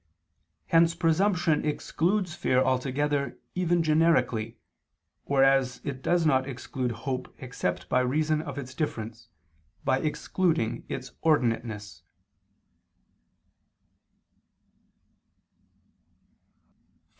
Hence presumption excludes fear altogether even generically, whereas it does not exclude hope except by reason of its difference, by excluding its ordinateness.